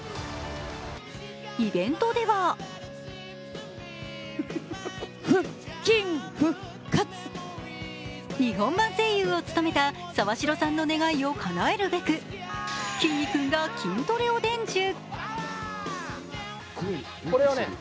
イベントでは日本版声優を務めた沢城さんの願いをかなえるべくきんに君が筋トレを伝授。